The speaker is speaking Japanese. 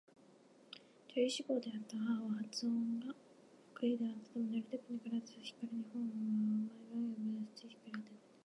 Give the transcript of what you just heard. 女優志望であった母は発声が得意だったため寝る時には必ず光に本を毎晩読み聞かせており、光は楽しみにしていた